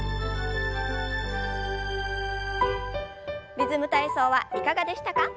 「リズム体操」はいかがでしたか？